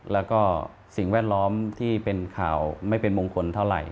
แล้วก็สิ่งแวดล้อมที่เป็นข่าวไม่เป็นมงคลเท่าไหร่